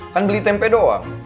kan beli tempe doang